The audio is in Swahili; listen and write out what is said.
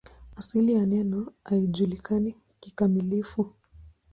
Asili ya neno haijulikani kikamilifu.